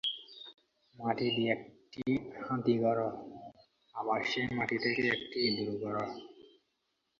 মাটি দিয়ে একটি হাতী গড়, আবার সেই মাটি থেকেই একটি ইঁদুর গড়।